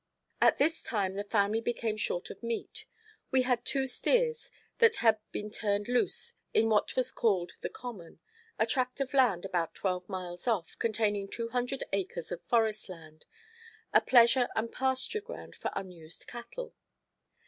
At this time the family became short of meat. We had two steers that had been turned loose in what was called the "common"—a tract of land about twelve miles off, containing two hundred acres of forest land—a pleasure and pasture ground for unused cattle.